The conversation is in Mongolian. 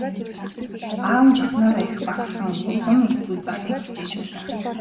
Аав нь ч охиноороо их бахархан улам их зүйл заахыг хичээж байлаа.